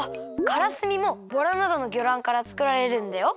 からすみもボラなどのぎょらんからつくられるんだよ。